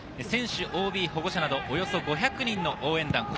選手・ＯＢ・保護者など、およそ５００人の応援団。